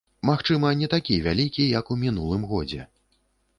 Магчыма, не такі вялікі, як у мінулым годзе.